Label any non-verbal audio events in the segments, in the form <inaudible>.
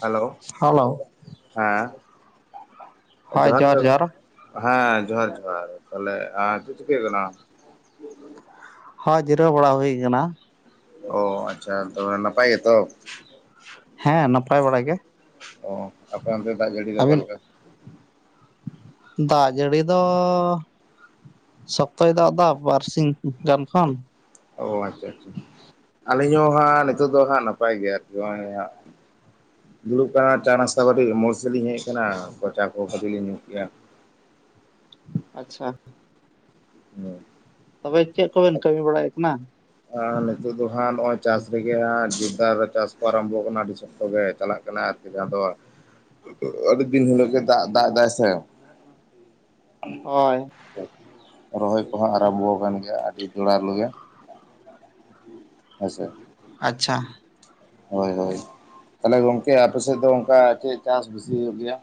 Hello hello ᱦᱮᱸ ᱡᱚᱦᱟᱨ ᱜᱮ, ᱦᱮᱸ ᱡᱚᱦᱟᱨ ᱡᱚᱦᱟᱨ, ᱛᱟᱦᱚᱞᱮ ᱪᱮᱫ ᱪᱤᱠᱟᱹᱭ ᱠᱟᱱᱟ? ᱦᱚᱭ ᱡᱤᱨᱟᱹᱣ ᱵᱟᱲᱟ ᱦᱩᱭ ᱟᱠᱟᱱᱟ᱾ ᱚ ᱟᱪᱪᱷᱟ, ᱛᱚᱵᱮ ᱱᱟᱯᱟᱭ ᱜᱮ ᱛᱚ, ᱦᱮᱸ ᱱᱟᱯᱟᱭ ᱵᱟᱲᱟ ᱜᱮ᱾ ᱚ ᱟᱯᱮ ᱚᱱᱛᱮ ᱫᱟᱜ ᱡᱟᱹᱲᱤ ᱫᱚ ᱚᱠᱟ ᱟᱹᱵᱤᱱ ᱞᱮᱠᱟ? ᱫᱟᱜ ᱡᱟᱹᱲᱤ ᱫᱚ᱾ ᱥᱚᱠᱛᱚᱭ ᱫᱟᱜ ᱫᱟ ᱵᱟᱨᱥᱤᱧ ᱜᱟᱱ ᱠᱷᱚᱱ ᱚ ᱟᱪᱪᱷᱟ, ᱟᱪᱪᱷᱟ, ᱟᱹᱞᱤᱧ ᱦᱚᱸ ᱦᱟᱸᱜ ᱱᱤᱛᱚᱜ ᱫᱚ ᱦᱟᱸᱜ ᱱᱟᱯᱟᱭ ᱜᱮᱭᱟ, ᱟᱨᱠᱤ ᱱᱚᱜᱼᱚᱭ ᱦᱟᱸᱜ ᱫᱩᱲᱩᱵ ᱟᱠᱟᱱᱟ ᱪᱟ ᱱᱟᱥᱛᱟ ᱠᱟᱹᱴᱤᱡ ᱢᱳᱲ ᱥᱮᱫ ᱞᱤᱧ ᱦᱮᱡ ᱟᱠᱟᱱᱟ ᱠᱚ ᱪᱟ ᱠᱚ ᱠᱟᱹᱴᱤᱡ ᱞᱤᱧ ᱧᱩ ᱠᱮᱜᱼᱟ᱾ ᱟᱪᱪᱷᱟ, <unintelligible> ᱛᱚᱵᱮ ᱪᱮᱫ ᱠᱚᱵᱮᱱ ᱠᱟᱹᱢᱤ ᱵᱟᱲᱟᱭ ᱮᱫ ᱠᱟᱱᱟ? ᱟᱨ ᱱᱤᱛᱳ ᱫᱚ ᱦᱟᱸᱜ ᱱᱚᱜᱼᱚᱭ ᱪᱟᱥ ᱨᱮᱜᱮ, ᱦᱟᱸᱜ ᱡᱩᱛᱫᱟᱨ ᱪᱟᱥ ᱠᱚ ᱟᱨᱟᱢᱵᱚ ᱠᱟᱱᱟ᱾ ᱛᱚᱵᱮ ᱪᱟᱞᱟᱜ ᱠᱟᱱᱟ ᱟᱨᱠᱤ ᱡᱟᱦᱟᱸ ᱫᱚᱼᱼ ᱟᱹᱰᱤ ᱫᱤᱱ ᱦᱤᱞᱳᱜ ᱫᱟ ᱫᱟᱜ ᱫᱟᱭ ᱥᱮ ᱦᱳᱭ ᱨᱚᱦᱚᱭ ᱠᱚ ᱦᱚᱸ ᱟᱨᱟᱢᱵᱚ ᱟᱠᱟᱱ ᱜᱮᱭᱟ, ᱟᱹᱰᱤ ᱡᱚᱲᱟ ᱞᱚᱜᱮ ᱦᱮᱸ ᱥᱮ, ᱟᱪᱪᱷᱟ, ᱦᱳᱭ ᱦᱳᱭ, ᱛᱟᱦᱚᱞᱮ ᱜᱚᱝᱠᱮ ᱟᱯᱮ ᱥᱮᱫ ᱫᱚ ᱚᱱᱠᱟ ᱪᱮᱫ ᱪᱟᱥ ᱵᱮᱥᱤ ᱦᱩᱭᱩᱜ ᱜᱮᱭᱟ?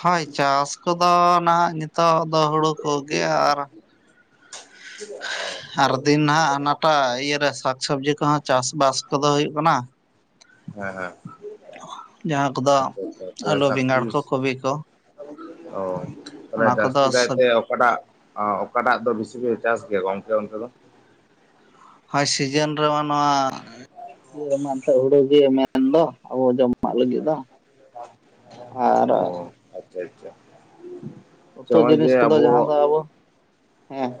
ᱦᱳᱭ ᱪᱟᱥ ᱠᱚᱫᱚ ᱱᱟᱦᱟᱜ ᱱᱤᱛᱚᱜ ᱫᱚ ᱦᱩᱲᱩ ᱠᱚᱜᱮ, ᱟᱨᱼᱼ <unintelligible> ᱟᱨ ᱫᱤᱱ ᱱᱟᱦᱟᱜ ᱦᱟᱱᱟᱴᱟᱜ ᱤᱭᱟᱹ ᱨᱮ ᱥᱟᱠ ᱥᱚᱵᱽᱡᱤ ᱠᱚᱦᱚᱸ ᱪᱟᱥ ᱵᱟᱥ ᱠᱚᱫᱚ ᱦᱩᱭᱩᱜ ᱠᱟᱱᱟ᱾ ᱦᱮᱸ ᱦᱮᱸ, ᱡᱟᱦᱟᱸ ᱠᱚᱫᱚ ᱟᱪᱪᱷᱟ ᱟᱪᱪᱷᱟ ᱛᱟᱦᱚᱞᱮ ᱟᱹᱞᱩ ᱵᱮᱸᱜᱟᱲ ᱥᱟᱠᱪᱩᱥ ᱠᱚ ᱠᱚᱵᱤ ᱠᱚ, ᱚ ᱛᱟᱞᱦᱮ ᱚᱱᱟ ᱠᱚᱫᱚ ᱡᱟᱹᱥᱛᱤ ᱠᱟᱭᱛᱮ, ᱚᱠᱟᱴᱟᱜ ᱚᱠᱟᱴᱟᱜ ᱫᱚ ᱵᱤᱥᱤ ᱯᱮ ᱪᱟᱥ ᱜᱮᱭᱟ ᱜᱚᱝᱠᱮ ᱚᱱᱛᱮ ᱫᱚ? ᱦᱳᱭ ᱥᱤᱡᱤᱱ ᱨᱮᱢᱟ ᱱᱚᱣᱟ ᱤᱭᱟᱹ ᱨᱮᱢᱟ ᱮᱱᱛᱮᱫ ᱦᱩᱲᱩ ᱜᱮ, ᱢᱮᱱ ᱫᱚ ᱟᱵᱚ ᱡᱚᱢᱼᱼ ᱮᱢᱟᱜ ᱞᱟᱹᱜᱤᱫ ᱫᱚ, ᱟᱨ ᱚ ᱟᱪᱪᱷᱟ ᱟᱪᱪᱷᱟ, ᱩᱛᱩ ᱱᱚᱜᱼᱚᱭ ᱡᱮ ᱡᱤᱱᱤᱥ ᱠᱚᱫᱚ ᱡᱟᱦᱟᱸ ᱫᱚ ᱟᱵᱚ, ᱦᱮᱸ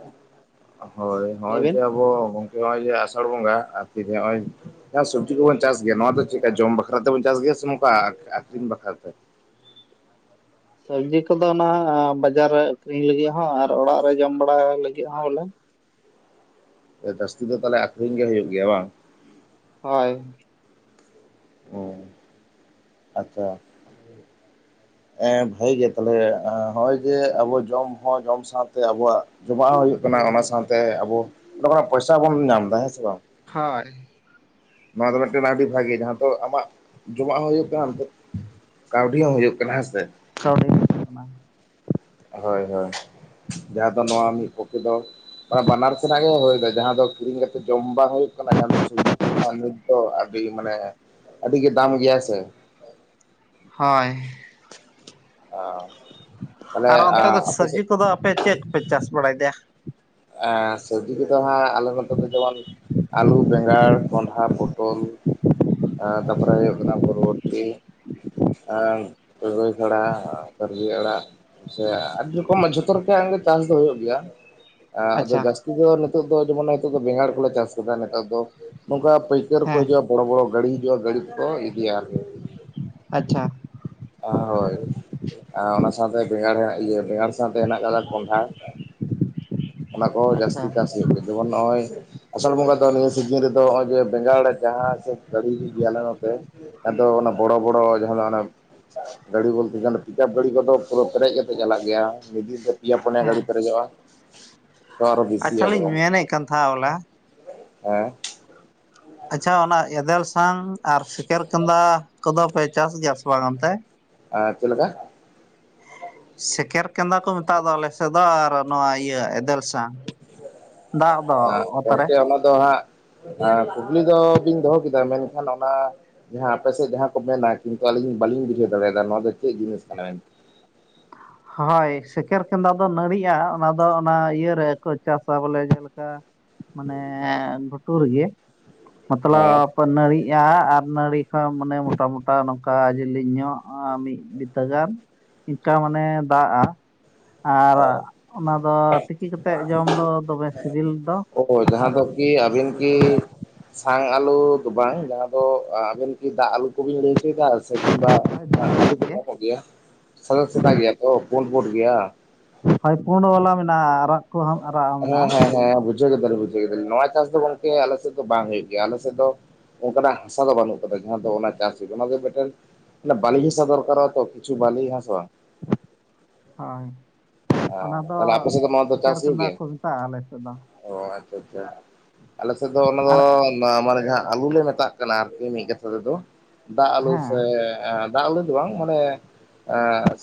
ᱦᱳᱭ ᱞᱟᱹᱭ ᱱᱚᱜᱼᱚᱭ ᱵᱤᱱ ᱡᱮ ᱟᱵᱚ ᱜᱚᱝᱠᱮ ᱱᱚᱜᱼᱚᱭ ᱡᱮ ᱟᱥᱟᱲ ᱵᱚᱸᱜᱟ ᱟᱨ ᱛᱤᱨᱮ ᱱᱚᱜᱼᱚᱭ, ᱥᱚᱵᱽᱡᱤ ᱠᱚᱵᱚᱱ ᱪᱟᱥ ᱜᱮᱭᱟ ᱱᱚᱣᱟ ᱫᱚ ᱪᱮᱫᱠᱟ ᱡᱚᱢ ᱵᱟᱠᱷᱨᱟ ᱛᱮᱵᱚᱱ ᱪᱟᱥ ᱜᱮᱭᱟ, ᱥᱮ ᱱᱚᱝᱠᱟ ᱟᱠᱷᱨᱤᱧ ᱵᱟᱠᱷᱨᱟ ᱛᱮ? ᱥᱚᱵᱽᱡᱤ ᱠᱚᱫᱚ ᱚᱱᱟ ᱵᱟᱡᱟᱨ ᱨᱮ ᱟᱠᱷᱨᱤᱧ ᱞᱟᱹᱜᱤᱫ ᱦᱚᱸ, ᱟᱨ ᱚᱲᱟᱜ ᱨᱮ ᱡᱚᱢ ᱵᱟᱲᱟᱭ ᱞᱟᱹᱜᱤᱫ ᱦᱚᱸ ᱵᱚᱞᱮ᱾ ᱡᱟᱹᱥᱛᱤ ᱫᱚ ᱛᱟᱦᱚᱞᱮ ᱟᱠᱷᱨᱤᱧ ᱜᱮ ᱦᱩᱭᱩᱜ ᱜᱮᱭᱟ ᱵᱟᱝ᱾ ᱦᱳᱭ, ᱚᱻ ᱟᱪᱪᱷᱟ, ᱵᱷᱟᱜᱮ ᱜᱮ ᱛᱟᱦᱮ ᱦᱚᱜᱼᱚᱭ ᱡᱮ ᱟᱵᱚ ᱡᱚᱢ ᱦᱚᱸ ᱡᱚᱢ ᱥᱟᱶᱛᱮ ᱟᱵᱩᱣᱟᱜ ᱡᱚᱢᱟᱜ ᱦᱚᱸ ᱦᱩᱭᱩᱜ ᱠᱟᱱᱟ, ᱚᱱᱟ ᱥᱟᱶ ᱛᱮ ᱟᱵᱚ ᱚᱸᱰᱮ ᱠᱷᱚᱱᱟᱜ ᱯᱚᱭᱥᱟ ᱵᱚᱱ ᱧᱟᱢ ᱮᱫᱟ ᱦᱮᱸ ᱥᱮ ᱵᱟᱝ᱾ ᱦᱳᱭ, ᱱᱚᱣᱟ ᱫᱚ ᱢᱤᱫᱴᱮᱱ ᱟᱹᱰᱤ ᱵᱷᱟᱹᱜᱤ, ᱡᱟᱦᱟᱸ ᱟᱢᱟᱜ ᱡᱚᱢᱟᱜ ᱦᱚᱸ ᱦᱩᱭᱩᱜ ᱠᱟᱱᱟ᱾ ᱱᱛᱮ ᱠᱟᱹᱣᱰᱤ ᱦᱚᱸ ᱦᱩᱭᱩᱜ ᱠᱟᱱᱟ ᱦᱮᱸᱥᱮ᱾ ᱦᱚᱻ <unintelligible> ᱦᱳᱭ ᱦᱳᱭ, ᱡᱟᱦᱟᱸ ᱫᱚ ᱱᱚᱣᱟ ᱢᱤᱫ ᱯᱚᱠᱠᱷᱮ ᱫᱚ ᱚᱱᱟ ᱵᱟᱱᱟᱨ ᱥᱮᱱᱟᱜ ᱜᱮ <inaudible> ᱡᱟᱦᱟᱸ ᱫᱚ ᱠᱤᱨᱤᱧ ᱠᱟᱛᱮᱜ ᱡᱚᱢ ᱵᱟᱝ ᱦᱩᱭᱩᱜ ᱠᱟᱱᱟ, ᱡᱟᱦᱟᱸ ᱫᱚ ᱥᱚᱵᱽᱡᱤ ᱠᱚ ᱨᱮᱱᱟᱜ ᱛᱚ ᱟᱹᱰᱤ ᱢᱟᱱᱮ, ᱟᱹᱰᱤ ᱜᱮ ᱫᱟᱢ ᱜᱮᱭᱟ ᱥᱮ᱾ ᱦᱳᱭ, ᱛᱟᱦᱚᱞᱮ ᱟᱨ ᱚᱱᱛᱮ ᱫᱚ ᱟᱯᱮ ᱥᱮᱫ ᱥᱚᱵᱽᱡᱤ ᱠᱚᱫᱚ ᱟᱯᱮ ᱪᱮᱫ ᱯᱮ ᱪᱟᱥ ᱵᱟᱲᱟᱭ ᱫᱟ᱾ ᱥᱚᱵᱽᱡᱤ ᱠᱚᱫᱚ ᱦᱟᱸᱜ ᱟᱞᱮ ᱱᱚᱛᱮ ᱫᱚ, ᱡᱮᱢᱚᱱ ᱟᱹᱞᱩ ᱵᱮᱸᱜᱟᱲ ᱠᱚᱱᱰᱷᱟ ᱯᱚᱴᱚᱞ, ᱮᱜ ᱛᱟᱯᱚᱨᱮ ᱦᱩᱭᱩᱜ ᱠᱟᱱᱟ ᱵᱷᱚᱨᱵᱚᱴᱤ ᱯᱩᱨᱟᱹᱭ ᱠᱷᱟᱲᱟ ᱠᱟᱹᱨᱡᱤ ᱟᱲᱟᱜ᱾ ᱟᱹᱰᱤ ᱨᱚᱠᱚᱢᱟᱜ ᱡᱷᱚᱛᱚ ᱨᱚᱠᱚᱢᱟᱜ ᱜᱮ ᱪᱟᱥ ᱫᱚ ᱦᱩᱭᱩᱜ ᱜᱮᱭᱟ ᱾ ᱮᱜ ᱟᱫᱚ ᱟᱪᱪᱷᱟ ᱡᱟᱹᱥᱛᱤ ᱫᱚ ᱱᱤᱛᱚᱜ ᱫᱚ, ᱡᱮᱢᱚᱱ ᱱᱤᱛᱚᱜ ᱫᱚ ᱵᱮᱸᱜᱟᱲ ᱠᱚᱞᱮ ᱪᱟᱥ ᱟᱠᱟᱫᱟ ᱱᱤᱛ ᱫᱚ ᱱᱚᱝᱠᱟ ᱯᱟᱹᱭᱠᱟᱹᱨ ᱠᱚ ᱦᱮᱸ ᱦᱤᱡᱩᱜᱼᱟ, ᱵᱚᱲᱚ ᱵᱚᱲᱚ ᱜᱟᱹᱲᱰᱤ ᱦᱤᱡᱩᱜᱼᱟ᱾ ᱜᱟᱹᱰᱤ ᱛᱮ ᱠᱚ ᱤᱫᱤᱭᱟ ᱟᱨᱠᱤ ᱾ ᱟᱪᱪᱷᱟ᱾ ᱦᱳᱭ ᱚᱱᱟ ᱥᱟᱶᱛᱮ ᱵᱮᱸᱜᱟᱲ ᱤᱭᱟᱹ ᱵᱮᱸᱜᱟᱲ ᱥᱟᱶᱛᱮ ᱦᱮᱱᱟᱜ ᱟᱠᱟᱫᱟ ᱠᱚᱸᱰᱷᱟ ᱾ <inaudible> ᱚᱱᱟ ᱠᱚ ᱟᱪᱪᱷᱟ ᱡᱟᱹᱥᱛᱤ ᱪᱟᱥ ᱦᱩᱭᱩᱜ ᱜᱮᱭᱟ, ᱡᱮᱢᱚᱱ ᱱᱚᱜᱼᱚᱭ ᱟᱥᱟᱬ ᱵᱚᱸᱜᱟ ᱫᱚ ᱱᱤᱭᱟᱹ ᱥᱤᱡᱤᱱ ᱨᱮᱫᱚ, ᱱᱚᱜᱼᱚᱭ ᱡᱮ ᱵᱮᱸᱜᱟᱲ ᱡᱟᱦᱟᱸ ᱥᱮᱫ ᱜᱟᱹᱲᱤ ᱦᱩᱭᱩᱜ ᱜᱮᱭᱟ ᱟᱞᱮ ᱱᱚᱛᱮ ᱟᱫᱚ ᱚᱱᱟ ᱵᱚᱲᱚ ᱵᱚᱲᱚ ᱡᱟᱦᱟᱸ ᱫᱚ ᱚᱱᱟ ᱜᱟᱹᱰᱤ ᱵᱚᱞᱛᱮ ᱚᱱᱟ ᱯᱤᱠᱟᱯ ᱜᱟᱹᱰᱤ ᱠᱚᱫᱚ ᱯᱩᱨᱟᱹ ᱯᱮᱨᱮᱡ ᱠᱟᱛᱮᱫ ᱪᱟᱞᱟᱜ ᱜᱮᱭᱟ᱾ ᱢᱤᱫ ᱫᱤᱱ ᱛᱮ ᱯᱮᱭᱟ ᱯᱚᱱᱮᱭᱟ ᱦᱮᱸ ᱜᱟᱹᱰᱤ ᱯᱮᱨᱮᱡᱚᱜᱼᱟ, ᱛᱚ ᱟᱨᱚ ᱟᱪᱪᱷᱟ ᱵᱮᱥᱤᱭᱟ ᱞᱤᱧ ᱵᱚᱨᱚᱝ ᱢᱮᱱᱮᱫ ᱠᱟᱱ ᱛᱟᱦᱮᱸᱫ ᱵᱚᱞᱮ ᱾ ᱦᱮᱸ᱾ ᱟᱪᱪᱷᱟ ᱚᱱᱟ ᱮᱫᱮᱞ ᱥᱟᱝ ᱟᱨ ᱥᱤᱠᱮᱨ ᱠᱟᱸᱫᱟ ᱠᱚᱫᱚ ᱯᱮ ᱪᱟᱥ ᱜᱮᱭᱟ ᱥᱮ ᱵᱟᱝ ᱚᱱᱛᱮ? ᱟᱨ ᱪᱮᱫ ᱞᱮᱠᱟ? ᱥᱮᱠᱮᱨ ᱠᱟᱸᱫᱟ ᱠᱚ ᱢᱮᱛᱟᱜ ᱫᱚ ᱟᱞᱮᱥᱮᱫ ᱫᱚ ᱟᱨ ᱱᱚᱣᱟ ᱤᱭᱟᱹ ᱮᱫᱮᱞ ᱥᱟᱝ ᱾ ᱟᱜ ᱜᱚᱝᱠᱮ ᱚᱱᱟ ᱫᱚ ᱦᱟᱸᱜ ᱦᱮᱸ ᱠᱩᱠᱞᱤ ᱫᱚ ᱵᱤᱱ ᱫᱚ ᱦᱚᱸ ᱠᱮᱫᱟ, ᱢᱮᱱᱠᱷᱟᱱ ᱚᱱᱟ ᱡᱟᱦᱟᱸ ᱟᱯᱮ ᱥᱮᱫ ᱡᱟᱦᱟᱸ ᱠᱚ ᱢᱮᱱᱟ, ᱠᱤᱱᱛᱩ ᱟᱞᱤᱧ ᱵᱟᱹᱞᱤᱧ ᱵᱩᱡᱷᱟᱹᱣ ᱫᱟᱲᱮ ᱭᱟᱫᱟ ᱱᱚᱣᱟ ᱫᱚ ᱪᱮᱫ ᱡᱤᱱᱤᱥ ᱠᱟᱱᱟ ᱢᱮᱱ ᱦᱳᱭ ᱥᱮᱠᱮᱨ ᱠᱟᱸᱫᱟ ᱫᱚ ᱱᱟᱹᱲᱤᱜᱼᱟ, ᱚᱱᱟ ᱫᱚ ᱚᱱᱟ ᱤᱭᱟᱹ ᱨᱮᱠᱚ ᱪᱟᱥᱟ ᱵᱚᱞᱮ ᱡᱮ ᱞᱮᱠᱟ ᱢᱟᱱᱮ ᱜᱩᱴᱩ ᱨᱮ ᱜᱮ᱾ ᱦᱮᱸ ᱢᱚᱛᱞᱚᱵ ᱱᱟᱹᱲᱤᱜᱼᱟ ᱟᱨ ᱱᱟᱹᱲᱤ ᱠᱷᱚᱱ ᱢᱟᱱᱮ ᱢᱚᱴᱟ ᱢᱚᱴᱟ ᱱᱚᱝᱠᱟ ᱡᱤᱞᱤ ᱧᱚᱜᱼᱟ ᱢᱤᱫ ᱵᱤᱛᱟᱹ ᱜᱟᱱ ᱚᱠᱟ <unintelligible> ᱢᱟᱱᱮ ᱫᱟᱜᱼᱟ ᱚ ᱾ᱟᱨ ᱚᱱᱟ ᱫᱚ ᱛᱤᱠᱤ ᱠᱟᱛᱮ ᱡᱚᱢ ᱫᱚ ᱫᱚᱢᱮ ᱥᱤᱵᱤᱞ ᱫᱚ ᱚᱼᱚ ᱡᱟᱦᱟᱸ ᱫᱚ ᱟᱨ ᱠᱤ ᱟᱹᱵᱤᱱ ᱠᱤ ᱥᱟᱝ ᱟᱞᱩ ᱫᱚ ᱵᱟᱝ, ᱡᱟᱦᱟᱸ ᱫᱚ ᱟᱵᱤᱱ ᱠᱤ ᱫᱟᱜ ᱟᱞᱩ ᱠᱚᱵᱮᱱ ᱞᱟᱹᱭ ᱦᱚᱪᱚᱭ ᱮᱫᱟ? ᱥᱮ ᱠᱤᱱᱵᱟ ᱟᱞᱩ ᱠᱚ ᱧᱟᱢᱚᱜ ᱜᱮᱭᱟ, ᱥᱟᱫᱟ ᱥᱟᱫᱟ ᱜᱮᱭᱟ ᱛᱚ ᱯᱳᱰ ᱯᱳᱰ ᱜᱮᱭᱟ ᱾ ᱦᱳᱭ ᱯᱳᱰ ᱵᱟᱞᱟ ᱢᱮᱱᱟᱜᱼᱟ᱾ ᱟᱨᱟ ᱠᱚ ᱦᱚᱸᱢ ᱟᱨᱟᱜ ᱦᱚᱸ ᱦᱮᱸ ᱢᱮᱱᱟᱜᱼᱟ ᱦᱮᱸ ᱦᱮᱸ ᱵᱩᱡᱷᱟᱹᱣ ᱠᱮᱫᱟᱞᱤᱧ ᱵᱩᱡᱷᱟᱹᱣ ᱠᱮᱫᱟᱞᱤᱧ ᱾ᱱᱚᱣᱟ ᱪᱟᱥ ᱫᱚ ᱜᱚᱝᱠᱮ ᱟᱞᱮ ᱥᱮᱫ ᱫᱚ ᱵᱟᱝ ᱦᱩᱭᱩᱜ ᱜᱮᱭᱟ᱾ ᱟᱞᱮ ᱥᱮᱫ ᱫᱚ ᱚᱱᱠᱟᱱᱟᱜ ᱦᱟᱥᱟ ᱫᱚ ᱵᱟᱹᱱᱩᱜ ᱠᱟᱫᱟ᱾ ᱡᱟᱦᱟᱸ ᱫᱚ ᱚᱱᱟ ᱪᱟᱥ ᱦᱩᱭᱩᱜ ᱚᱱᱟ ᱫᱚ ᱢᱤᱫᱴᱮᱱ ᱵᱟᱹᱞᱤ ᱦᱟᱥᱟ ᱫᱚᱨᱠᱟᱨᱚᱜ-ᱟ ᱛᱚ, ᱠᱤᱪᱷᱩ ᱵᱟᱞᱤ ᱦᱟᱥᱟ ᱾ ᱦᱳᱭ, ᱚᱱᱟ ᱫᱚ ᱛᱟᱦᱞᱮ ᱟᱯᱮ ᱥᱮᱫ ᱫᱚ ᱱᱚᱣᱟ ᱫᱚ ᱥᱮᱠᱮᱨ ᱪᱟᱥ ᱦᱩᱭᱩᱜ ᱠᱟᱸᱫᱟ ᱜᱮᱭᱟ ᱠᱚ ᱢᱮᱛᱟᱜᱼᱟ ᱟᱞᱮ ᱥᱮᱫ ᱫᱚ ᱾ ᱚ ᱟᱪᱪᱷᱟ ᱟᱪᱪᱷᱟ, ᱟᱞᱮ ᱥᱮᱫ ᱫᱚ ᱚᱱᱟ ᱫᱚ ᱟᱨ ᱢᱟ ᱢᱟᱱᱮ ᱡᱟᱦᱟ ᱟᱞᱩ ᱞᱮ ᱢᱮᱛᱟᱜ ᱠᱟᱱᱟ ᱟᱨᱠᱤ ᱢᱤᱫ ᱠᱟᱛᱷᱟ ᱛᱮᱫᱚ ᱫᱟᱜ ᱟᱞᱩ ᱥᱮ ᱦᱮᱸ ᱫᱟᱜ ᱟᱞᱩ ᱫᱚ ᱵᱟᱝ ᱢᱟᱱᱮ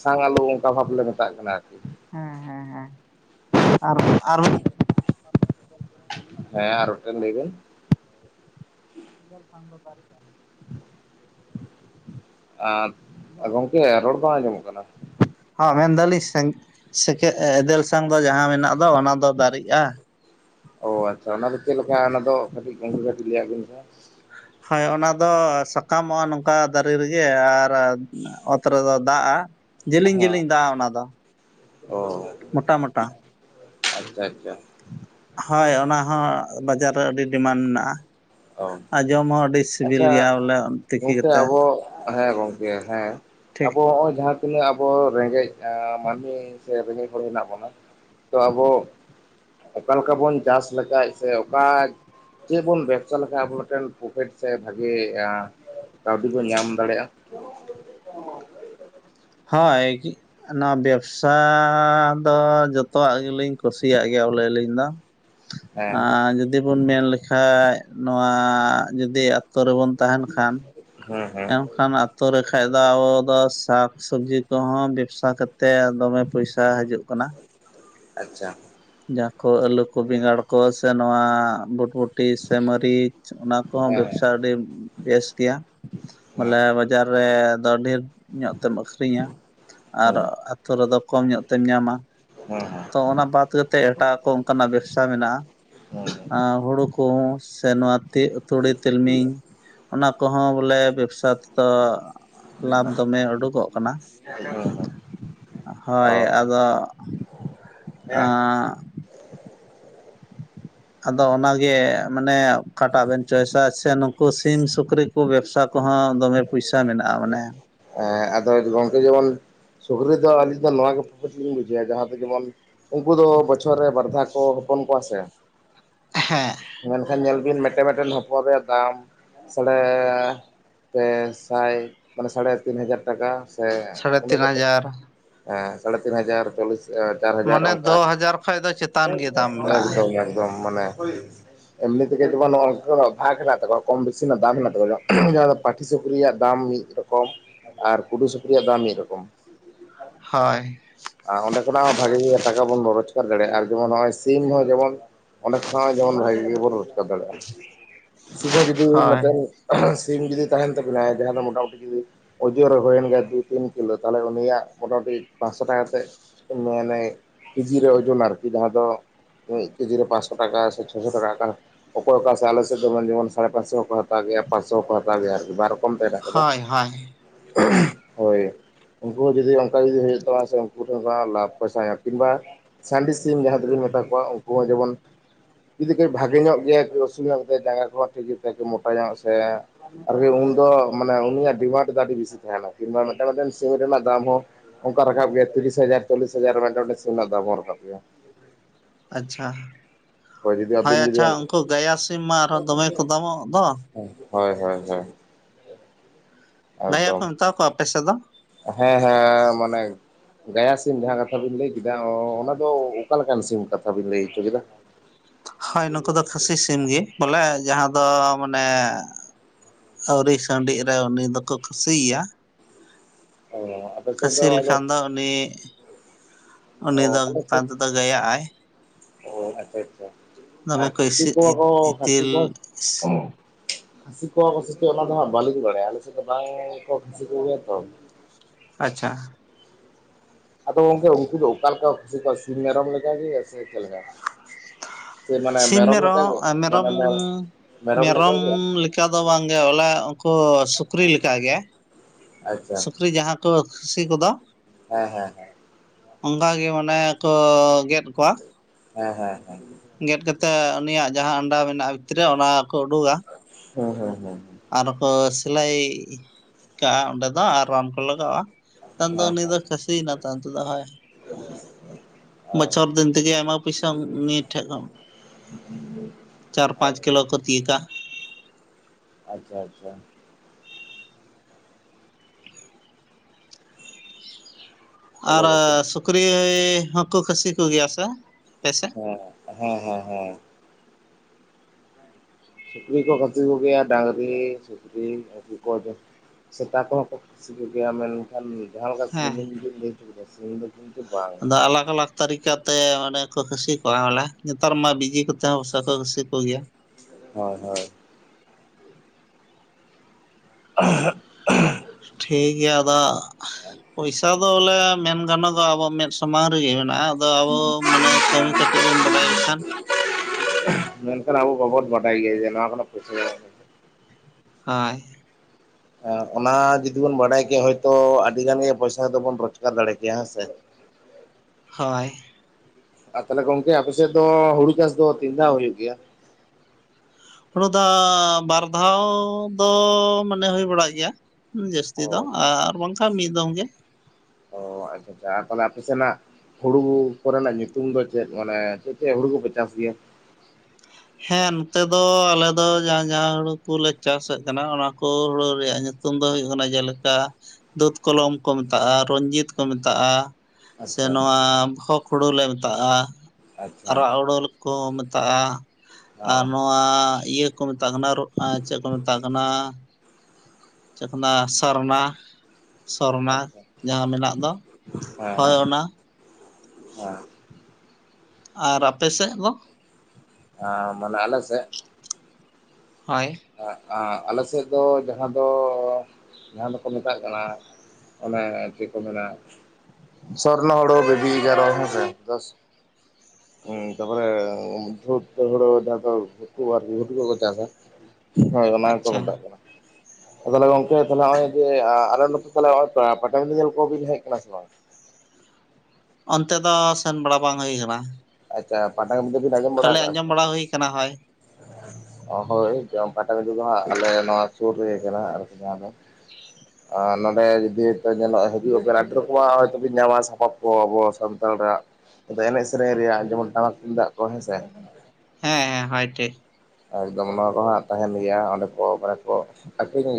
ᱥᱟᱝ ᱟᱞᱩ ᱚᱱᱠᱟ ᱵᱷᱟᱵ ᱞᱮ ᱢᱮᱛᱟᱜ ᱠᱟᱱᱟ ᱟᱨᱠᱤ ᱾ ᱦᱮᱸ ᱦᱮᱸ ᱦᱮᱸ ᱟᱨ ᱟᱨ ᱦᱮᱸ ᱟᱨ <unintelligible> ᱢᱤᱫᱴᱮᱱ ᱞᱟᱹᱭ ᱵᱮᱱ ᱫᱟᱨᱮᱜ-ᱟ ᱮᱫᱮᱞ ᱥᱟᱝ ᱫᱚ ᱫᱟᱨᱮᱜ-ᱟ ᱾ ᱟᱨ ᱟᱸᱡᱚᱢ ᱜᱚᱝᱠᱮ ᱨᱚᱲ ᱵᱟᱝ ᱟᱸᱡᱚᱢᱚᱜ ᱠᱟᱱᱟ ᱦᱚᱸ ᱢᱮᱱᱫᱟᱞᱤᱧ ᱥᱮ ᱥᱮᱠ ᱮᱫᱮᱞ ᱥᱟᱝ ᱫᱚ ᱡᱟᱦᱟᱸ ᱢᱮᱱᱟᱜ ᱫᱚ ᱚᱱᱟ ᱫᱚ ᱫᱟᱨᱮᱜᱼᱟ ᱾ ᱚ ᱟᱪᱪᱷᱟ ᱚᱱᱟ ᱫᱚ ᱪᱮᱫ ᱞᱮᱠᱟ ᱚᱱᱟ ᱫᱚ ᱠᱟᱹᱴᱤᱡ ᱜᱚᱝᱠᱮ ᱠᱟᱹᱴᱤᱡ ᱞᱟᱹᱭᱟᱜ ᱵᱤᱱᱥᱮ ᱾ ᱦᱳᱭ ᱚᱱᱟᱫᱚ ᱥᱟᱠᱟᱢᱚᱜᱼᱟ ᱱᱚᱝᱠᱟ ᱫᱟᱨᱮ ᱨᱮᱜᱮ ᱟᱨ ᱚᱛ ᱨᱮᱫᱚ ᱫᱟᱜᱼᱟ ᱾ ᱡᱮᱞᱮᱧ ᱦᱮᱸ ᱡᱮᱞᱤᱧ ᱫᱟᱜᱼᱟ ᱚᱱᱟ ᱫᱚ ᱚ ᱢᱚᱴᱟ ᱢᱚᱴᱟ ᱾ ᱟᱪᱪᱷᱟ ᱟᱪᱪᱷᱟ ᱦᱳᱭ ᱚᱱᱟ ᱦᱚᱸ ᱵᱟᱡᱟᱨ ᱨᱮ ᱟᱹᱰᱤ ᱰᱤᱢᱟᱱᱰ ᱢᱮᱱᱟᱜᱼᱟ ᱚ ᱟᱨ ᱡᱚᱢ ᱦᱚᱸ ᱟᱹᱰᱤ ᱥᱤᱵᱤᱞ ᱟᱪᱪᱷᱟ ᱜᱮᱭᱟ ᱵᱚᱞᱮ ᱛᱤᱠᱤ ᱜᱚᱝᱠᱮ ᱠᱟᱛᱮ ᱟᱵᱚ ᱦᱮᱸ ᱜᱚᱝᱠᱮ ᱦᱮᱸ ᱟᱵᱚ ᱱᱚᱜ ᱚᱭ ᱡᱟᱦᱟᱸ ᱛᱤᱱᱟᱹᱜ ᱟᱵᱚ ᱨᱮᱸᱜᱮᱡ ᱢᱟᱹᱱᱢᱤ ᱥᱮ ᱨᱮᱸᱜᱮᱡ ᱦᱚᱲ ᱦᱮᱱᱟᱜ ᱵᱚᱱᱟ ᱛᱚ ᱟᱵᱚ ᱚᱠᱟᱞᱮᱠᱟ ᱵᱚᱱ ᱪᱟᱥ ᱞᱮᱠᱷᱟᱡ ᱥᱮ ᱚᱠᱟ ᱪᱮᱫ ᱵᱚᱱ ᱵᱮ ᱪᱮᱫ ᱞᱮᱠᱟ ᱟᱵᱚ ᱢᱤᱫᱴᱮᱱ ᱯᱚᱠᱷᱤᱮᱴ ᱥᱮ ᱵᱷᱟᱜᱤ ᱠᱟᱹᱣᱰᱤ ᱵᱚᱱ ᱧᱟᱢ ᱫᱟᱲᱮᱭᱟᱜᱼᱟ ᱦᱳᱭ ᱚᱱᱟ ᱵᱮᱵᱽᱥᱟ ᱫᱚ ᱡᱚᱛᱚᱣᱟᱜ ᱜᱮᱞᱤᱧ ᱠᱩᱥᱤᱭᱟᱜ ᱜᱮᱭᱟ ᱵᱚᱞᱮ ᱟᱞᱤᱧ ᱫᱚ ᱦᱮᱸ ᱟᱨ ᱡᱩᱫᱤ ᱡᱩᱫᱤᱵᱚᱱ ᱢᱮᱱ ᱞᱮᱠᱷᱟᱡ ᱱᱚᱣᱟ ᱡᱩᱫᱤ ᱟᱛᱳ ᱨᱮᱵᱚᱱ ᱛᱟᱦᱮᱱ ᱠᱷᱟᱱ ᱦᱮᱸ ᱦᱮᱸ ᱠᱷᱟᱱ ᱟᱛᱳ ᱨᱮ ᱠᱷᱟᱡ ᱫᱚ ᱟᱵᱚ ᱫᱚ ᱥᱟᱠᱥᱚᱵᱽᱡᱤ ᱠᱚᱦᱚᱸ ᱵᱮᱵᱽᱥᱟ ᱠᱟᱛᱮᱫ ᱫᱚᱢᱮ ᱯᱚᱭᱥᱟ ᱥᱟ ᱦᱤᱡᱩᱜ ᱠᱟᱱᱟ ᱟᱪᱪᱷᱟ ᱡᱟᱦᱟᱸ ᱠᱚ ᱟᱹᱞᱩ ᱠᱚ ᱵᱮᱸᱜᱟᱲ ᱠᱚ ᱥᱮ ᱱᱚᱣᱟ ᱵᱩᱴᱵᱩᱴᱤ ᱥᱮ ᱢᱟᱹᱨᱤᱪ ᱚᱱᱟ ᱠᱚᱦᱚᱸ ᱦᱮᱸ ᱦᱮᱸ ᱵᱮᱵᱽᱥᱟ ᱟᱹᱰᱤ ᱵᱮᱥ ᱜᱮᱭᱟ ᱦᱮᱸ ᱵᱚᱞᱮ ᱵᱟᱡᱟᱨ ᱨᱮᱫᱚ ᱰᱷᱮᱨ ᱧᱚᱜ ᱛᱮᱢ ᱟᱹᱠᱷᱨᱤᱧᱟ ᱟᱨ ᱦᱮᱸ ᱟᱹᱛᱳ ᱨᱮᱫᱚ ᱠᱚᱢ ᱧᱚᱜ ᱛᱮᱢ ᱧᱟᱢᱟ ᱦᱮᱸ ᱛᱚ ᱚᱱᱟ ᱵᱟᱫ ᱠᱟᱛᱮᱜ ᱮᱴᱟᱜ ᱠᱚ ᱚᱝᱠᱟᱱᱟᱜ ᱵᱮᱵᱽᱥᱟ ᱢᱮᱱᱟᱜᱼᱟ ᱦᱩᱲᱩ ᱠᱚ ᱥᱮ ᱱᱚᱣᱟ ᱛᱩᱲᱤ ᱛᱤᱞᱢᱤᱧ ᱚᱱᱟ ᱠᱚᱦᱚᱸ ᱵᱚᱞᱮ ᱵᱮᱵᱽᱥᱟ ᱛᱮᱫᱚ ᱞᱟᱵᱷ ᱫᱚᱢᱮ ᱩᱰᱩᱠᱚᱜ ᱠᱟᱱᱟ <unintelligible> ᱚ ᱦᱳᱭ ᱟᱫᱚ ᱦᱮᱸ ᱮᱸ ᱟᱫᱚ ᱚᱱᱟᱜᱮ ᱢᱟᱱᱮ ᱚᱠᱟᱴᱟᱜ ᱵᱮᱱ ᱪᱚᱭᱮᱥᱟ ᱥᱮ ᱱᱩ ᱠᱩ ᱥᱤᱢ ᱥᱩᱠᱨᱤ ᱠᱩ ᱵᱮᱵᱽᱥᱟ ᱠᱚᱦᱚᱸ ᱫᱚᱢᱮ ᱯᱚᱭᱥᱟ ᱢᱮᱱᱟᱜᱼᱟ ᱢᱟᱱᱮ ᱦᱮᱸ ᱟᱫᱚ ᱜᱚᱝᱠᱮ ᱡᱮᱢᱚᱱ ᱥᱩᱠᱨᱤ ᱫᱚ ᱟᱹᱞᱤᱧ ᱫᱚ ᱱᱚᱣᱟ ᱜᱮ ᱯᱨᱚᱯᱷᱮᱴ ᱞᱤᱧ ᱵᱩᱡᱷᱟᱹᱣᱟ ᱡᱟᱦᱟᱸ ᱫᱚ ᱡᱮᱢᱚᱱ ᱩᱱᱠᱩ ᱫᱚ ᱵᱚᱪᱷᱚᱨ ᱨᱮ ᱵᱟᱨ ᱫᱷᱟᱣ ᱠᱚ ᱦᱚᱯᱚᱱ ᱠᱚᱣᱟ ᱥᱮ ᱦᱮᱸ ᱢᱮᱱᱠᱷᱟᱱ ᱧᱮᱞ ᱵᱤᱱ ᱢᱮᱴᱮᱱ ᱢᱮᱴᱮᱱ ᱦᱚᱯᱚᱱ ᱨᱮᱭᱟᱜ ᱫᱟᱢ ᱥᱟᱲᱮ ᱯᱮ ᱥᱟᱭ ᱢᱟᱱᱮ ᱥᱟᱲᱮ ᱛᱤᱱ ᱦᱟᱡᱟᱨ ᱴᱟᱠᱟ ᱥᱮ ᱥᱟᱲᱮ ᱩᱱᱟᱹᱜ ᱛᱤᱱ ᱠᱟᱛᱮ ᱦᱟᱡᱟᱨ ᱦᱮᱸ ᱥᱟᱲᱮ ᱛᱤᱱ ᱦᱟᱡᱟᱨ ᱪᱚᱞᱞᱤᱥ ᱪᱟᱨ ᱦᱟᱡᱟᱨ ᱢᱟᱱᱮ ᱚᱱᱠᱟ ᱫᱩ ᱦᱟᱡᱟᱨ ᱠᱷᱚᱡ ᱫᱚ ᱪᱮᱛᱟᱱ ᱜᱮ ᱫᱟᱢ ᱢᱮᱱᱟᱜᱼᱟ ᱮᱠᱫᱚᱢ ᱮᱠᱫᱚᱢ ᱢᱟᱱᱮ ᱮᱢᱱᱤ ᱛᱮᱜᱮ ᱡᱮᱢᱚᱱ ᱱᱚᱜ ᱱᱚᱝᱠᱟᱱᱟᱜ ᱵᱷᱟᱜ ᱦᱮᱱᱟᱜ ᱛᱟᱠᱚᱣᱟ ᱠᱚᱢ ᱵᱮᱥᱤ ᱨᱮᱱᱟᱜ ᱫᱟᱢ ᱦᱮᱱᱟᱜ ᱛᱟᱠᱚᱣᱟ ᱡᱟᱦᱟᱸ ᱫᱚ ᱯᱟᱴᱷᱤ ᱥᱩᱠᱨᱤᱭᱟᱜ ᱫᱟᱢ ᱢᱤᱫ ᱨᱚᱠᱚᱢ ᱟᱨ ᱠᱩᱰᱩ ᱥᱩᱠᱨᱤᱭᱟᱜ ᱫᱟᱢ ᱢᱤᱫ ᱨᱚᱠᱚᱢ ᱦᱳᱭ ᱟᱨ ᱚᱸᱰᱮ ᱠᱷᱚᱱᱟᱜ ᱦᱚᱸ ᱵᱷᱟᱜᱤ ᱜᱮ ᱴᱟᱠᱟ ᱵᱚᱱ ᱨᱳᱡᱽᱜᱟᱨ ᱫᱟᱲᱮᱭᱟᱜᱼᱟ ᱟᱨ ᱡᱮᱢᱚᱱ ᱥᱤᱢ ᱦᱚᱸ ᱡᱮᱢᱚᱱ ᱚᱸᱰᱮ ᱠᱷᱚᱱᱟᱜ ᱦᱚᱸ ᱡᱮᱢᱚᱱ ᱵᱷᱟᱜᱤ ᱜᱮᱵᱚᱱ ᱨᱳᱡᱽᱜᱟᱨ ᱫᱟᱲᱮᱭᱟᱜᱼᱟ ᱥᱤᱢ ᱦᱚᱸ ᱡᱩᱫᱤ ᱦᱳᱭ ᱢᱤᱫᱴᱮᱱ ᱥᱤᱢ ᱡᱩᱫᱤ ᱛᱟᱦᱮᱱ ᱛᱟᱵᱤᱱᱟᱭ ᱡᱟᱦᱟᱸ ᱫᱚ ᱢᱚᱴᱟᱢᱩᱴᱤ ᱡᱩᱫᱤ ᱚᱡᱳᱱ ᱨᱮ ᱦᱩᱭᱮᱱ ᱜᱮ ᱫᱩ ᱛᱤᱱ ᱠᱤᱞᱳ ᱛᱟᱦᱚᱞᱮ ᱩᱱᱤᱭᱟᱜ ᱢᱚᱴᱟᱢᱩᱴᱤ ᱯᱟᱸᱥᱚ ᱴᱟᱠᱟ ᱮᱱᱛᱮᱫ ᱢᱮᱱᱮ ᱠᱷᱩᱪᱨᱟᱹ ᱳᱡᱳᱱ ᱟᱨᱠᱤ ᱡᱟᱦᱟᱸ ᱫᱚ ᱢᱤᱫ ᱠᱮᱡᱤ ᱨᱮ ᱯᱟᱸᱪᱥᱚ ᱴᱟᱠᱟ ᱥᱮ ᱪᱷᱚᱥᱚ ᱴᱟᱠᱟ ᱦᱟᱛᱟᱣ ᱚᱠᱚᱭ ᱚᱠᱟ ᱥᱮᱜ ᱟᱞᱮ ᱥᱮᱜ ᱫᱚ ᱡᱮᱢᱚᱱ ᱥᱟᱲᱮ ᱯᱟᱸᱪᱥᱚ ᱦᱚᱸᱠᱚ ᱦᱟᱛᱟᱣ ᱜᱮᱭᱟ ᱯᱟᱸᱪᱥᱚ ᱦᱚᱸᱠᱚ ᱦᱟᱛᱟᱣ ᱜᱮᱭᱟ ᱟᱨᱠᱤ ᱵᱟᱨ ᱠᱚᱢᱛᱮ ᱦᱮᱱᱟᱜ ᱠᱟᱫᱟ ᱦᱳᱭ ᱦᱳᱭ ᱦᱳᱭ ᱩᱱᱠᱩ ᱦᱚᱸ ᱡᱩᱫᱤ ᱚᱱᱠᱟ ᱡᱩᱤ ᱦᱩᱭᱩᱜ ᱛᱟᱢᱟ ᱥᱮ ᱩᱱᱠᱩ ᱴᱷᱮᱱ ᱠᱷᱚᱱᱟᱜ ᱞᱟᱵᱷ ᱯᱚᱭᱥᱟᱭᱟ ᱠᱤᱢᱵᱟ ᱥᱟᱺᱰᱤ ᱥᱤᱢ ᱡᱟᱦᱟᱸ ᱫᱚᱞᱤᱧ ᱢᱮᱛᱟ ᱠᱚᱣᱟ ᱩᱱᱠᱩ ᱦᱚᱸ ᱡᱮᱢᱚᱱ ᱡᱩᱫᱤ ᱠᱟᱹᱡ ᱵᱷᱟᱜᱮ ᱧᱚᱜ ᱜᱮᱭᱟᱭ ᱠᱟᱹᱡ ᱩᱥᱩᱞ ᱧᱚᱜ ᱜᱮᱛᱟᱭᱟ ᱡᱟᱸᱜᱟ ᱠᱚᱦᱚᱸ ᱴᱷᱤᱠ ᱜᱮ ᱢᱚᱴᱟ ᱧᱚᱜ ᱥᱮ ᱟᱨᱠᱤ ᱩᱱᱤᱫᱚ ᱢᱟᱱᱮ ᱩᱱᱤᱭᱟᱜ ᱰᱤᱢᱟᱱᱰ ᱫᱚ ᱟᱹᱰᱤ ᱵᱮᱥᱤ ᱛᱟᱦᱮᱱᱟ ᱠᱤᱝᱵᱟ ᱢᱤᱫᱴᱮᱱ-ᱢᱤᱫᱴᱮᱱ ᱥᱤᱢ ᱨᱮᱱᱟᱜ ᱫᱟᱢ ᱦᱚᱸ ᱚᱱᱠᱟ ᱨᱟᱠᱟᱵ ᱜᱮᱭᱟ ᱛᱤᱨᱤᱥ ᱦᱟᱡᱟᱨ, ᱪᱚᱞᱞᱤᱥ ᱦᱟᱡᱟᱨ ᱢᱤᱫᱴᱮᱱ- ᱢᱤᱫᱴᱮᱱ ᱥᱤᱢᱟᱜ ᱫᱟᱢ ᱦᱚᱸ ᱨᱟᱠᱟᱵ ᱜᱮᱭᱟ᱾ ᱟᱪᱷᱟ ᱡᱩᱫᱤ ᱦᱳᱭ ᱟᱵᱤᱱ ᱡᱩᱫᱤ ᱟᱪᱷᱟ ᱩᱱᱠᱩ ᱜᱟᱭᱟ ᱥᱤᱢ ᱢᱟ ᱟᱨᱦᱚᱸ ᱫᱚᱢᱮ ᱠᱚ ᱫᱟᱢᱚᱜ ᱫᱚ ᱦᱳᱭ-ᱦᱳᱭ-ᱦᱳᱭ ᱜᱟᱭᱟ ᱠᱚ ᱢᱮᱛᱟᱣᱟ ᱠᱚᱣᱟ ᱟᱯᱮ ᱥᱮᱫ ᱫᱚ? ᱦᱮᱸᱻᱦᱮᱸ ᱢᱟᱱᱮ ᱜᱟᱭᱟ ᱥᱤᱢ ᱡᱟᱦᱟᱸ ᱠᱟᱛᱷᱟ ᱵᱤᱱ ᱞᱟᱹᱭ ᱠᱮᱫᱟ ᱚᱱᱟ ᱫᱚ ᱚᱠᱟ ᱞᱮᱠᱟᱱ ᱥᱤᱢ ᱠᱟᱛᱷᱟ ᱵᱤᱱ ᱞᱟᱹᱭ ᱚᱪᱚ ᱠᱮᱫᱟ ᱦᱳᱭ ᱱᱩᱠᱩ ᱫᱚ ᱠᱷᱟᱹᱥᱤ ᱥᱤᱢ ᱜᱮ ᱵᱚᱞᱮ ᱡᱟᱦᱟᱸ ᱫᱚ ᱢᱟᱱᱮ ᱟᱹᱣᱨᱤ ᱥᱟᱺᱰᱤᱜ ᱨᱮ ᱩᱱᱤ ᱫᱚᱠᱚ ᱠᱷᱟᱹᱥᱤᱭᱭᱟ ᱚᱸ ᱠᱷᱟᱹᱥᱤ ᱞᱮᱠᱷᱟᱱ ᱫᱚ ᱩᱱᱤ ᱩᱱᱤᱫᱚ ᱚ ᱟᱞᱮ ᱥᱮᱫ ᱟᱫᱚ ᱫᱚ ᱜᱟᱭᱟᱜᱼᱟᱭ ᱚ ᱟᱪᱷᱟ- ᱟᱪᱷᱟ ᱟᱨ ᱫᱚᱢᱮ ᱠᱷᱟᱹᱥᱤ ᱤᱥᱤᱫ ᱠᱚ ᱟᱠᱚ ᱠᱷᱟᱹᱥᱤ ᱠᱚ ᱤᱛᱤᱞ ᱠᱷᱟᱹᱥᱤ ᱠᱚᱣᱟ ᱠᱚ ᱥᱮ ᱪᱮᱫ ᱚᱱᱟᱫᱚ ᱦᱟᱸᱜ ᱵᱟᱹᱞᱤᱧ ᱵᱟᱲᱟᱭᱟ ᱟᱞᱮ ᱥᱮᱫ ᱫᱚ ᱵᱟᱝᱠᱚ ᱠᱷᱟᱹᱥᱤ ᱠᱚᱜᱮᱭᱟ ᱛᱚ ᱟᱪᱷᱟ ᱟᱫᱚ ᱜᱚᱝᱠᱮ ᱩᱱᱠᱩ ᱫᱚ ᱚᱠᱟ ᱞᱮᱠᱟ ᱠᱚ ᱠᱷᱟᱹᱥᱤ ᱠᱚᱣᱟ ᱥᱤᱢ ᱢᱮᱨᱚᱢ ᱞᱮᱠᱟᱜᱮ ᱥᱮ ᱟᱠᱟ ᱞᱮᱠᱟ? ᱥᱮ ᱢᱟᱱᱮ ᱥᱤᱢ ᱢᱮᱨᱚᱢ ᱢᱮᱨᱚᱜ ᱞᱮᱠᱟᱜᱮ ᱢᱟᱱᱮ ᱢᱮᱨᱚᱢ ᱢᱮᱨᱚᱢ-ᱢᱮᱨᱚᱢ ᱞᱮᱠᱟᱜᱮ ᱞᱮᱠ ᱚᱝᱠᱟ ᱫᱚ ᱵᱟᱝᱜᱮ ᱦᱚᱞᱮ ᱩᱝᱠᱩ ᱥᱩᱠᱨᱤ ᱞᱮᱠᱟᱜᱮ ᱟᱪᱪᱷᱟ ᱥᱩᱠᱨᱤ ᱡᱟᱦᱟᱸ ᱛᱚ ᱠᱷᱟᱹᱥᱤ ᱠᱚᱫᱚ? ᱦᱮᱸᱻᱦᱮᱸ ᱦᱮᱸᱻ ᱚᱝᱠᱟ ᱜᱮ ᱢᱟᱱᱮ ᱠᱚ ᱜᱮᱫ ᱠᱚᱣᱟ ᱦᱮᱸᱻᱦᱮᱸᱻᱦᱮᱸᱻ ᱜᱮᱫ ᱠᱟᱛᱮᱫ ᱩᱱᱤᱭᱟᱜ ᱡᱟᱦᱟᱸ ᱟᱱᱰᱟ ᱢᱮᱱᱟᱜᱼᱟ ᱵᱷᱤᱛᱨᱤ ᱨᱮ ᱚᱱᱟ ᱠᱚ ᱳᱰᱳᱜᱟ ᱦᱮᱸᱻᱦᱮᱸᱻᱦᱮᱸᱻ ᱟᱨᱚ ᱠᱚ ᱥᱤᱞᱟᱹᱭ ᱠᱟᱜᱼᱟ ᱚᱸᱰᱮ ᱫᱚ ᱟᱨ ᱨᱟᱱ ᱠᱚ ᱞᱟᱜᱟᱣᱟᱜᱼᱟ ᱱᱮᱛᱟᱨ ᱫᱚ ᱦᱮᱸ ᱩᱱᱤ ᱫᱚ ᱦᱮᱸ ᱠᱷᱟᱹᱥᱤᱭᱱᱟ ᱛᱚ ᱚᱱᱛᱮᱫᱚ ᱦᱚᱭ ᱚ ᱵᱚᱪᱷᱚᱨ ᱫᱤᱱ ᱛᱮᱜᱮ ᱟᱭᱢᱟ ᱯᱚᱭᱥᱟᱢ ᱱᱤᱭᱟᱹ ᱴᱷᱮᱜ ᱫᱚ ᱵᱟᱝ ᱟᱸᱡᱚᱢ ᱴᱷᱤᱠᱟᱹᱜ ᱠᱟᱱᱟ ᱪᱟᱨ, ᱯᱟᱸᱪ ᱠᱤᱞᱳ ᱠᱚ ᱛᱤᱭᱟᱹᱠᱟ ᱟᱪᱷᱟ-ᱟᱪᱷᱟ ᱛᱟᱦᱞᱮ ᱟᱨ ᱵᱚᱪᱷᱚᱨ ᱥᱩᱠᱨᱤ ᱦᱚᱸᱠᱚ ᱠᱷᱟᱹᱥᱤ ᱠᱚᱜᱮᱭᱟ ᱥᱮ ᱦᱮᱸᱥᱮ ᱦᱮᱸᱻ ᱦᱮᱸ, ᱦᱮᱸᱻ ᱦᱮᱸᱻᱦᱮᱸᱻ ᱥᱩᱠᱨᱤ ᱠᱚ ᱠᱷᱟᱹᱥᱤ ᱠᱚᱜᱮᱭᱟ ᱰᱟᱝᱨᱤ, ᱥᱩᱠᱨᱤ ᱱᱩᱠᱩ ᱠᱚᱜᱮ ᱥᱮᱛᱟ ᱠᱚᱦᱚᱸ ᱠᱚ ᱠᱷᱟᱹᱥᱤ ᱠᱚ ᱜᱮᱭᱟ ᱢᱮᱱᱠᱷᱟᱱ ᱡᱟᱦᱟᱸ ᱞᱮᱠᱟ ᱥᱤᱢ ᱦᱮᱸ ᱢᱤᱢ ᱵᱤᱱ ᱞᱟᱹᱭ ᱦᱚᱪᱚ ᱠᱮᱫᱟ ᱠᱤᱱᱛᱩ ᱵᱟᱝ ᱟᱫᱚ ᱟᱞᱟᱜᱽ-ᱟᱞᱟᱜᱽ ᱛᱟᱹᱨᱤᱠᱟᱛᱮ ᱚᱱᱮ ᱠᱚ ᱠᱷᱟᱹᱥᱤ ᱠᱚᱣᱟ ᱵᱚᱞᱮ ᱱᱮᱛᱟᱨ ᱢᱟ ᱵᱤᱡᱤ ᱠᱚᱛᱮ ᱦᱚᱸ ᱥᱟᱠᱚ ᱠᱷᱟᱹᱥᱤ ᱠᱚᱜᱮᱭᱟ ᱦᱳᱭ-ᱦᱳᱭ ᱟ ᱴᱷᱤᱠ ᱴᱷᱤᱠ ᱜᱮᱭᱟ ᱟᱫᱚ ᱯᱚᱭᱥᱟ ᱫᱚ ᱵᱚᱞᱮ ᱢᱮᱱ ᱜᱟᱱᱚᱜᱼᱟ ᱟᱵᱚᱣᱟᱜ ᱢᱮᱫ ᱥᱟᱢᱟᱝ ᱨᱮᱜᱮ ᱢᱮᱱᱟᱜᱼᱟ ᱾ ᱟᱫᱚ ᱟᱵᱚ ᱢᱟᱱᱮ ᱠᱟᱹᱢᱤ ᱠᱟᱹᱴᱤᱜ ᱵᱚᱱ ᱵᱟᱰᱟᱭ ᱞᱮᱠᱷᱟᱱ ᱢᱮᱱᱠᱷᱟᱱ ᱟᱵᱚ ᱵᱟᱵᱚᱱ ᱵᱟᱰᱟᱭ ᱜᱮᱭᱟ ᱡᱮ ᱱᱚᱣᱟ ᱠᱷᱚᱱᱟᱜ ᱯᱚᱭᱥᱟ ᱧᱟᱢᱚᱜᱼᱟ ᱢᱮᱱᱛᱮ ᱦᱟᱭ ᱚᱱᱟ ᱡᱩᱫᱤ ᱵᱚᱱ ᱵᱟᱰᱟᱭ ᱠᱮᱭᱟ ᱦᱚᱭᱛᱚ ᱟᱹᱰᱤ ᱜᱟᱱ ᱜᱮ ᱯᱚᱭᱥᱟ ᱫᱚᱵᱚᱱ ᱨᱳᱡᱽᱜᱟᱨ ᱫᱟᱲᱮ ᱠᱮᱭᱟ ᱦᱮᱸᱥᱮ ᱾ ᱦᱚᱭ ᱟᱨ ᱛᱟᱦᱚᱞᱮ ᱜᱚᱝᱠᱮ ᱟᱯᱮ ᱥᱮᱫ ᱫᱚ ᱦᱩᱲᱩ ᱪᱟᱥ ᱫᱚ ᱛᱤᱱ ᱫᱷᱟᱣ ᱦᱩᱭᱩᱜ ᱜᱮᱭᱟ? ᱦᱩᱲᱩ ᱫᱚ ᱵᱟᱨ ᱫᱷᱟᱣ ᱫᱚ ᱢᱟᱱᱮ ᱦᱳᱭ ᱵᱟᱲᱟᱜ ᱜᱮᱭᱟ ᱾ ᱡᱟᱹᱥᱛᱤ ᱫᱚ ᱚ ᱟᱨ ᱵᱟᱝᱠᱷᱟᱱ ᱢᱤᱫ ᱫᱚᱢ ᱜᱮ ᱾ ᱚ ᱟᱪᱪᱷᱟ ᱟᱪᱪᱷᱟ ᱛᱟᱦᱚᱞᱮ ᱟᱯᱮ ᱥᱮᱱ ᱱᱟᱸᱜ ᱦᱩᱲᱩ ᱠᱚᱨᱮᱱᱟᱜ ᱧᱩᱛᱩᱢ ᱫᱚ ᱪᱮᱫ ᱢᱟᱱᱮ ᱪᱮᱫ ᱪᱮᱫ ᱦᱩᱲᱩ ᱠᱚᱯᱮ ᱪᱟᱥ ᱜᱮᱭᱟ? ᱦᱮᱸ ᱱᱚᱛᱮ ᱫᱚ ᱟᱞᱮ ᱫᱚ ᱡᱟᱦᱟᱸ ᱡᱟᱦᱟᱸ ᱦᱩᱲᱩ ᱠᱚᱞᱮ ᱪᱟᱥᱮᱫ ᱠᱟᱱᱟ ᱚᱱᱟ ᱠᱚ ᱦᱩᱲᱩ ᱨᱮᱭᱟᱜ ᱧᱩᱛᱩ ᱧᱩᱛᱩᱢ ᱫᱚ ᱦᱩᱭᱩᱜ ᱠᱟᱱᱟ ᱡᱮᱞᱮᱠᱟ ᱫᱩᱛ ᱠᱚᱞᱚᱢ ᱠᱚ ᱢᱮᱛᱟᱜᱼᱟ, ᱨᱚᱧᱡᱤᱛ ᱠᱚ ᱢᱮᱛᱟᱜᱼᱟ ᱾ ᱥᱮ ᱟᱪᱪᱷᱟ ᱱᱚᱣᱟ ᱵᱷᱳᱠ ᱦᱳᱲᱳᱞᱮ ᱢᱮᱛᱟᱜᱼᱟ, ᱟᱪᱪᱷᱟ ᱟᱨᱟᱜ ᱦᱳᱲᱳ ᱠᱚ ᱢᱮᱛᱟᱜᱼᱟ, ᱟᱨ ᱚ ᱱᱚ ᱟᱸ ᱤᱭᱟᱹ ᱠᱚ ᱢᱮᱛᱟᱜ ᱠᱟᱱᱟ ᱨᱚᱜ ᱪᱮᱫ ᱠᱚ ᱢᱮᱛᱟᱜ ᱠᱟᱱᱟ ᱪᱮᱛᱱᱟ ᱥᱚᱨᱱᱟ, ᱥᱚᱨᱱᱟ ᱟᱪᱪᱷᱟ ᱡᱟᱦᱟᱸ ᱢᱮᱱᱟᱜ ᱫᱚ ᱦᱮᱸ ᱦᱚᱭ ᱦᱮᱸ ᱚᱱᱟ ᱦᱮᱸ ᱟᱨ ᱟᱯᱮ ᱥᱮᱫ ᱫᱚ? ᱦᱟᱸ ᱢᱟᱱᱮ ᱟᱞᱮᱥᱮᱜ ᱦᱳᱭ ᱟᱞᱮ ᱥᱮᱫ ᱫᱚ ᱡᱟᱦᱟᱸ ᱫᱚ ᱡᱟᱦᱟᱸ ᱫᱚᱠᱚ ᱢᱮᱛᱟᱜ ᱠᱟᱱᱟ ᱚᱱᱮ ᱪᱮᱫ ᱠᱚ ᱢᱮᱱᱟ ᱥᱚᱨᱱᱚ ᱦᱳᱲᱳ ᱵᱮᱵᱤ ᱤᱜᱟᱨᱚ ᱦᱮᱥᱮ, ᱛᱟᱯᱚᱨᱮ ᱫᱷᱩᱛ ᱦᱳᱲᱳ ᱡᱟᱦᱟᱸ ᱫᱚ ᱜᱷᱩᱴᱩ ᱟᱨ ᱜᱷᱩᱴᱩ ᱠᱚᱠᱚ ᱪᱟᱥᱟ ᱾ ᱦᱳᱭ ᱚᱱᱟ ᱜᱮᱠᱚ ᱟᱪᱪᱷᱟ ᱢᱮᱛᱟᱜ ᱠᱟᱱᱟ ᱾ ᱛᱟᱦᱚᱞᱮ ᱜᱚᱝᱠᱮ ᱛᱟᱦᱚᱞᱮ ᱱᱚᱜ ᱚᱭ ᱡᱮ ᱟᱞᱮ ᱱᱚᱛᱮ ᱛᱟᱦᱚᱞᱮ ᱯᱟᱴᱟᱵᱤᱸᱫᱟᱹ ᱧᱮᱧᱮᱞ ᱠᱚᱵᱤᱱ ᱦᱮᱡ ᱟᱠᱟᱱᱟ ᱥᱮ ᱵᱟᱝ? ᱚᱱᱛᱮ ᱫᱚ ᱥᱮᱱ ᱵᱟᱲᱟ ᱵᱟᱝ ᱦᱩᱭ ᱠᱟᱱᱟ ᱾ ᱟᱪᱪᱷᱟ ᱯᱟᱴᱟᱵᱤᱸᱫᱟᱹ ᱵᱮᱱ ᱟᱸᱡᱚᱢ ᱵᱟᱲᱟ ᱠᱟᱜ-ᱟ ᱥᱮ ᱵᱟᱝ? ᱵᱟᱲᱟ ᱦᱩᱭ ᱠᱟᱱᱟ ᱦᱳᱭ ᱦᱳᱭ ᱯᱟᱴᱟᱵᱤᱸᱫᱟᱹ ᱫᱚ ᱦᱟᱸᱜ ᱟᱞᱮ ᱱᱚᱣᱟ ᱥᱩᱨ ᱨᱮᱜᱮ ᱠᱟᱱᱟ ᱟᱨ ᱡᱟᱦᱟ ᱫᱚ <unintelligible> ᱟᱨ ᱱᱚᱸᱰᱮ ᱡᱩᱫᱤ ᱧᱮᱞᱚᱜ ᱦᱤᱡᱩᱜᱼᱟᱵᱮᱱ ᱟᱹᱰᱤ ᱨᱚᱠᱚᱢᱟᱜ ᱦᱚᱭᱛᱚ ᱵᱤᱱ ᱧᱟᱢᱟ ᱥᱟᱯᱟᱵ ᱠᱚ ᱟᱵᱚ ᱥᱟᱱᱛᱟᱲ-ᱟ ᱾ ᱟᱫᱚ ᱮᱱᱮᱡ ᱥᱮᱨᱮᱧ ᱨᱮᱭᱟᱜ ᱡᱮᱢᱚᱱ ᱴᱟᱢᱟᱠ ᱛᱩᱢᱫᱟᱜ ᱠᱚ ᱦᱮᱸᱥᱮ ᱦᱮᱸ ᱦᱮᱸ ᱦᱚᱭ ᱴᱷᱤᱠ ᱾ ᱮᱠᱫᱚᱢ ᱚᱱᱟ ᱠᱚ ᱦᱟᱸᱜ ᱛᱟᱦᱮᱱ ᱜᱮᱭᱟ ᱚᱸᱰᱮ ᱠᱚ ᱢᱟᱱᱮ ᱠᱚ ᱟᱠᱷᱨᱤᱧ